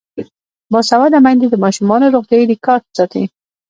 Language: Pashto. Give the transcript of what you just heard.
باسواده میندې د ماشومانو روغتیايي ریکارډ ساتي.